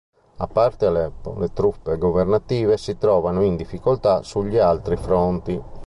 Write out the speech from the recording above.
A parte Aleppo, le truppe governative si trovano in difficoltà sugli altri fronti.